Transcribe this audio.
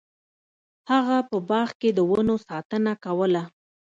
هغه په باغ کې د ونو ساتنه کوله.